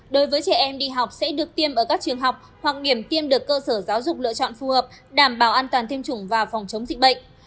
đối với trẻ em đi học sẽ được tiêm ở các trường học hoặc điểm tiêm được cơ sở giáo dục lựa chọn phù hợp đảm bảo an toàn tiêm chủng và phòng chống dịch bệnh